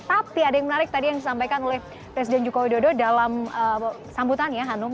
tapi ada yang menarik tadi yang disampaikan oleh presiden joko widodo dalam sambutannya hanum